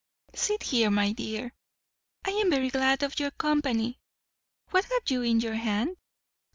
"Sit there, my dear. I am very glad of your company. What have you in your hand?